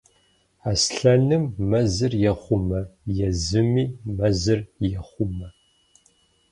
Аслъэным мэзыр ехъумэ, езыми мэзыр ехъумэ.